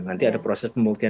nanti ada proses pembuktian